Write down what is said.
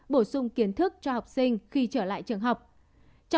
bổ sung kiến thức cho học sinh khi trở lại trường học